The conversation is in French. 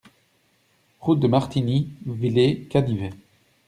Route de Martigny, Villers-Canivet